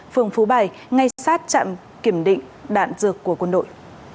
phường phú bài ngay sát trạm kiểm định đạn dược của quân đội